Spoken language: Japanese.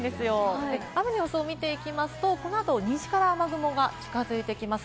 雨の予想を見ていきますと、西から雨雲が近づいてきます。